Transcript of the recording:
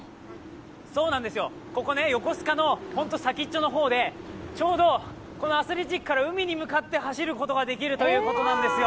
そうなんですよ、ここ横須賀のホント先っちょの方で、ちょうどアスレチックから海に向かって走ることができるということなんですよ。